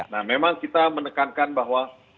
nah memang kita menekankan bahwa